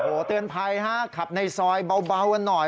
โหเตือนภัยห้าขับในซอยเบาหน่อย